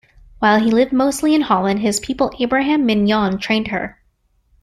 While he lived mostly in Holland, his pupil Abraham Mignon trained her.